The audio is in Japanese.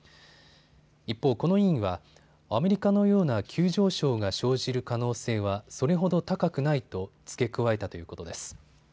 一方、この委員はアメリカのような急上昇が生じる可能性はそれほど高くないと付け加えたということです。